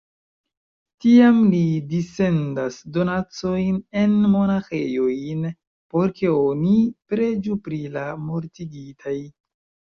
Tiam li dissendas donacojn en monaĥejojn, por ke oni preĝu pri la mortigitaj.